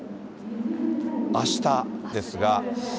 あしたですが。